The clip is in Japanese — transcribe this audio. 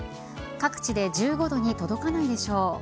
各地で１５度に届かないでしょう。